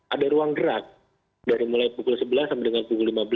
ada ruang gerak dari mulai pukul sebelas sampai dengan pukul lima belas